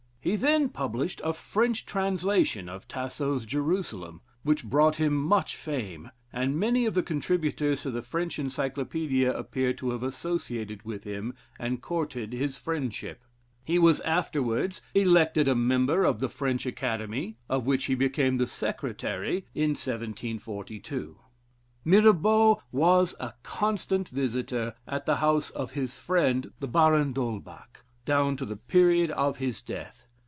He then published a French translation of Tasso's "Jerusalem," which brought him much fame; and many of the contributors to the French Encyclopaedia appear to have associated with him, and courted his friendship. He was afterwards elected a member of the French Academy of which he became the Secretary in 1742. Mirabaud was a constant visitor at the house of his friend, the Baron d'Holbach, down to the period of his death.